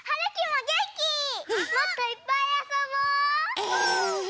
もっといっぱいあそぼう！え。